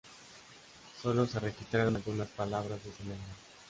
Sólo se registraron algunas palabras de su lengua.